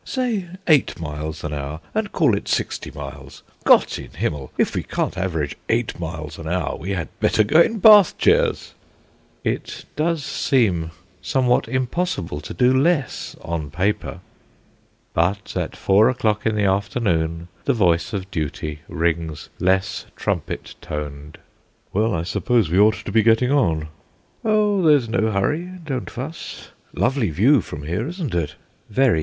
Say, eight miles an hour, and call it sixty miles. Gott in Himmel! if we can't average eight miles an hour, we had better go in bath chairs." It does seem somewhat impossible to do less, on paper. But at four o'clock in the afternoon the voice of Duty rings less trumpet toned: "Well, I suppose we ought to be getting on." "Oh, there's no hurry! don't fuss. Lovely view from here, isn't it?" "Very.